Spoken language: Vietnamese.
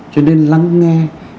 cho nên lắng nghe